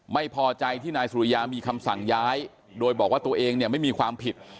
ไม่พอใจที่นายสุริยามีคำสั่งย้ายโดยบอกว่าตัวเองเนี่ยไม่มีความผิด